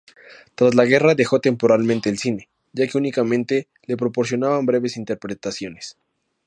Tras la guerra dejó temporalmente el cine, ya que únicamente le proporcionaban breves interpretaciones.